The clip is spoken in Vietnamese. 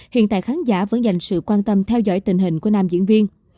hiện tại khán giả vẫn dành sự quan tâm theo dõi tình hình của nam diễn viên